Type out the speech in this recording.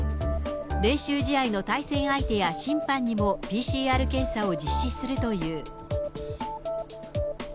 練習試合の対戦相手や審判にもＰＣＲ検査を実施するという。